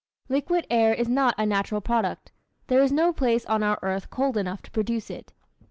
Liquid air is not a natural product. There is no place on our earth cold enough to produce it.